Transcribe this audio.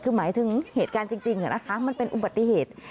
คือหมายถึงเหตุการณ์จริงมันเป็นอุบัติเหตุ